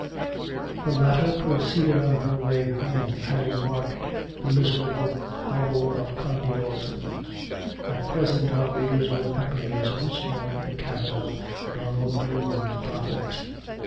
The latter proceeded on her way home, having marked the miserable hovel of Condy Dalton. At present our readers will accompany us once more to the cabin of Donnel Dhu, the prophet.